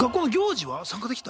参加できた？